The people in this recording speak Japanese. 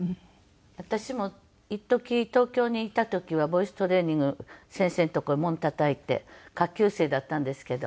私もいっとき東京にいた時はボイストレーニングの先生の所門たたいて下級生だったんですけど。